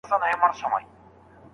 هوغه څوک دی .